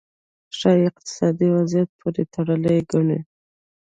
ښايي اقتصادي وضعیت پورې تړلې ګڼلې.